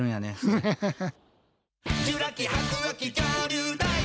ハハハハ。